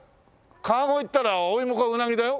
川越といったらおいもかうなぎだよ。